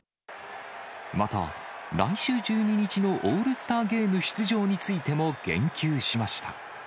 また、来週１２日のオールスターゲーム出場についても言及しました。